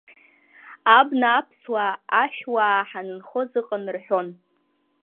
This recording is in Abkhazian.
Абна аԥсуаа, ашәуаа ҳанынхоз ыҟан рҳәон…